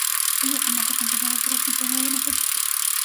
Ella jamás ha confesado su responsabilidad en los hechos.